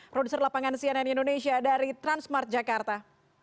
produser lapangan cnn indonesia dari transmart jakarta